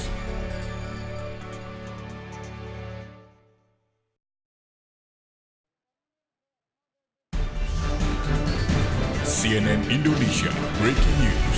hai cnn indonesia breaking news